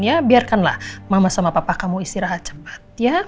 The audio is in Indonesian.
ya biarkanlah mama sama papa kamu istirahat cepet ya